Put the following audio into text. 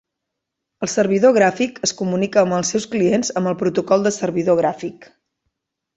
El servidor gràfic es comunica amb els seus clients amb el protocol de servidor gràfic.